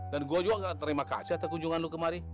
dan gue juga gak terima kasih atas kunjungan lu kemari